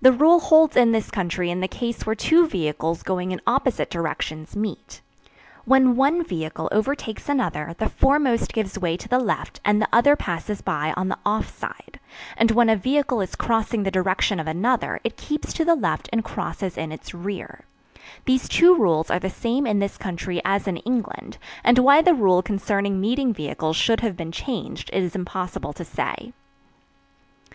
The rule holds in this country in the case where two vehicles going in opposite directions meet. When one vehicle overtakes another the foremost gives way to the left and the other passes by on the "off side"; and when a vehicle is crossing the direction of another it keeps to the left and crosses in its rear. These two rules are the same in this country as in England, and why the rule concerning meeting vehicles should have been changed it is impossible to say.